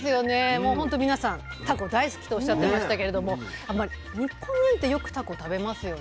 もうほんと皆さんタコ大好きとおっしゃってましたけれども日本人ってよくタコ食べますよね。